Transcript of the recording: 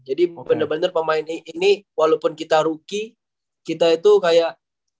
jadi bener bener pemain ini walaupun kita rookie kita itu kayak